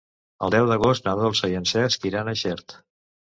El deu d'agost na Dolça i en Cesc iran a Xert.